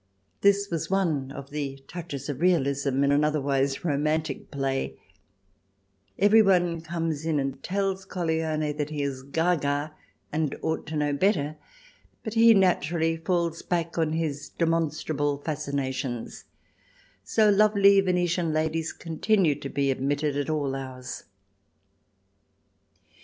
This was one of the touches of realism in an otherwise romantic play ; everyone comes and tells Colleone that he is gaga, and ought to know better, but he naturally falls back on his demonstrable fascinations ; so lovely Venetian ladies continue to be admitted at all hours.